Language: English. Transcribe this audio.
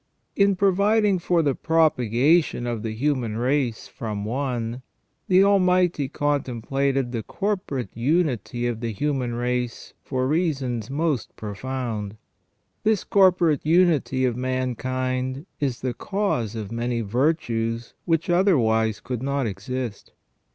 In providing for the propagation of the human race from one, the Almighty contemplated the corporate unity of the human race for reasons most profound. This corporate unity of mankind is the cause of many virtues which otherwise could not exist.